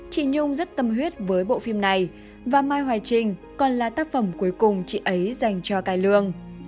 chị nhung rất tâm huyết với bộ phim này và mai hoài trình còn là tác phẩm cuối cùng chị ấy dành cho cải lương